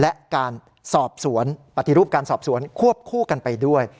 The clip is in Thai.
และการสอบสวนปฏิรูปการสอบสวนควบคู่กันไปด้วย